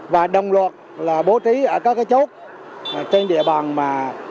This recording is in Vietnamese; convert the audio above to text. và đồng loạt là bố trí ở các cái chốt trên địa bàn mà